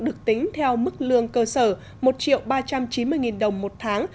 được tính theo mức lương cơ sở một ba trăm chín mươi đồng một tháng